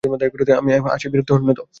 আমি আসায় বিরক্ত হন নি তো?